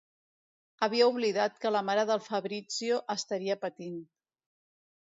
Havia oblidat que la mare del Fabrizio estaria patint.